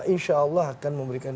insya allah akan memberikan